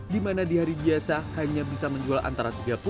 di mana di hari biasa hanya bisa menjual antara tiga puluh